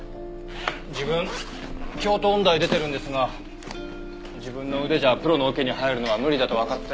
自分京都音大出てるんですが自分の腕じゃプロのオケに入るのは無理だとわかって。